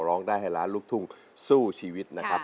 ร้องได้ให้ล้านลูกทุ่งสู้ชีวิตนะครับ